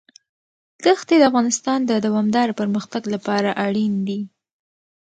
دښتې د افغانستان د دوامداره پرمختګ لپاره اړین دي.